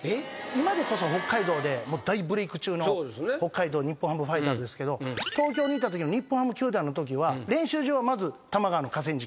今でこそ北海道で大ブレーク中の北海道日本ハムファイターズですけど東京にいたときの日本ハム球団のときは練習場はまず多摩川の河川敷。